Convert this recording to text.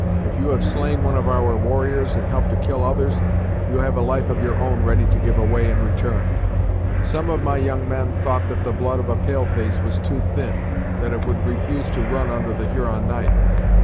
If you have slain one of our warriors, and helped to kill others, you have a life of your own ready to give away in return. Some of my young men thought that the blood of a pale face was too thin; that it would refuse to run under the Huron knife.